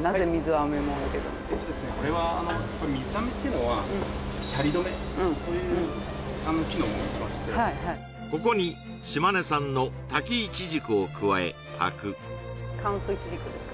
これは水飴っていうのはシャリ止めという機能を持ってましてここに島根産のを加え炊く乾燥いちじくですか？